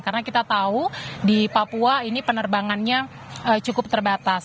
karena kita tahu di papua ini penerbangannya cukup terbatas